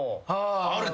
あれ。